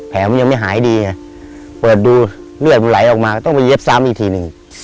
แผลมันยังไม่หายดีไงเปิดดูเลือดมันไหลออกมาก็ต้องไปเย็บซ้ำอีกทีหนึ่ง